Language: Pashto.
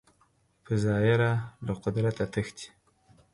په ظاهره له قدرته تښتي